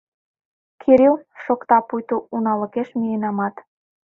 Кирилл...» — шокта, пуйто уналыкеш миенамат